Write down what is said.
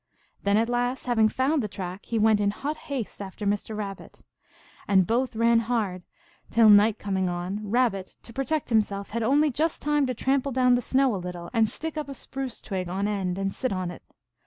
1 Then at last having found the track, he went in hot haste after Mr. Rabbit. And both ran hard, till, night coming on, Rabbit, to protect himself, had only just time to trample down the snow a little, and stick up a spruce twig on end and sit on it.